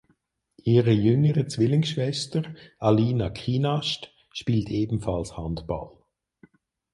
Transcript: Ihre jüngere Zwillingsschwester Alina Kynast spielt ebenfalls Handball.